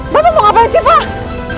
bapak mau ngapain sih pak